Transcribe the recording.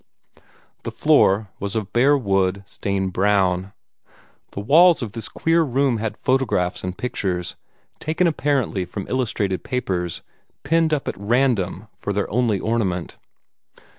The floor was of bare wood stained brown. The walls of this queer room had photographs and pictures, taken apparently from illustrated papers, pinned up at random for their only ornament.